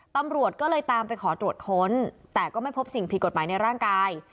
ตำรวจก็เลยตามไปขอตรวจค้นแต่ก็ไม่พบสิ่งผิดกฎหมายในร่างกาย